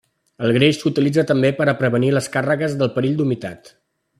El greix s'utilitza també per a prevenir les càrregues del perill d'humitat.